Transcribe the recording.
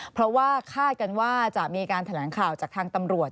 เพราะว่าคาดกันว่าจะมีการแถลงข่าวจากทางตำรวจ